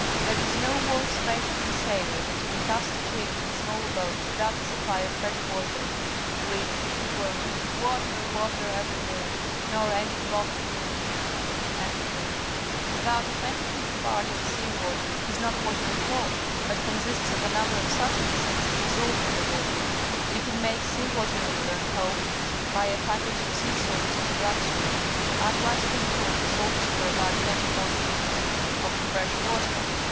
There is no worse fate for a sailor than to be cast adrift in a small boat without a supply of fresh water, with "Water, water, everywhere, Nor any drop to drink." About a tw^enty fifth part of sea water isjiot~water at all, but consists of a number of substances dissol ved in the wa tei\ You can make sea water in your own home. Buy a package of sea salts at a drug store. Add one spoonful of the salts to about twenty four spoonfuls of fresh water.